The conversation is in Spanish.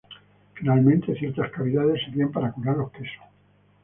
Finalmente, ciertas cavidades servían para curar los quesos.